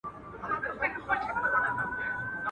د کلال په کور کي روغه کوزه نسته.